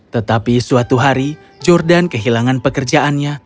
tetapi suatu hari jordan kehilangan pekerjaannya